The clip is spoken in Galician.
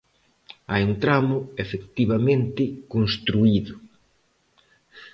Hai un tramo, efectivamente, construído.